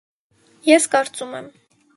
- Ես կարծում եմ: